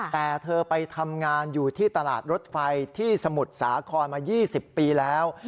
แต่เธอไปทำงานอยู่ที่ตลาดรถไฟที่สมุทรสาครมา๒๐ปีแล้ว